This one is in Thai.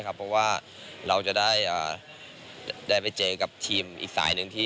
เพราะว่าเราจะได้ไปเจอกับทีมอีกสายหนึ่งที่